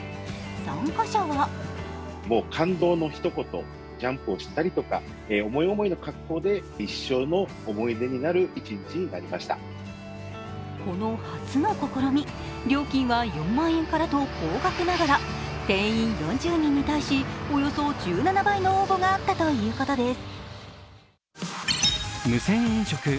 参加者はこの初の試み、料金は４万円からと高額ながら定員４０人に対しおよそ１７倍の応募があったということです。